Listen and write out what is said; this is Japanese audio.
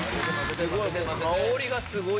香りがすごい！